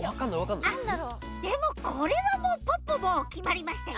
あっでもこれはもうポッポもうきまりましたよ。